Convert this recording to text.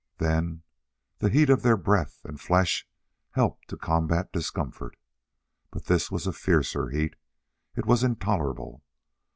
Then, the heat of their breath and flesh helped to combat discomfort. But this was a fiercer heat. It was intolerable.